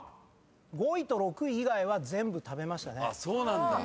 ５位と６位以外は全部食べましたね。